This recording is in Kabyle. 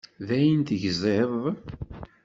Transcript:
Dayen tegziḍ?